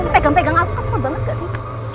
pegang pegang aku kesel banget gak sih